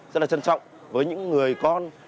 rất là trân trọng với những người con